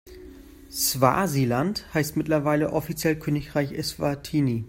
Swasiland heißt mittlerweile offiziell Königreich Eswatini.